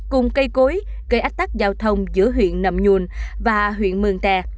cùng cây cối gây ách tắc giao thông giữa huyện nậm nhuồn và huyện mường tè